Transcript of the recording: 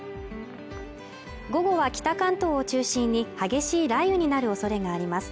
午後は北関東を中心に激しい雷雨になるおそれがあります